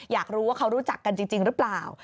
อยากรู้ว่าเขารู้จักกันจริงหรือเปล่า